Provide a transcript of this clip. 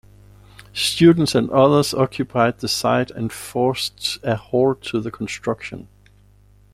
Students and others occupied the site and forced a halt to the construction.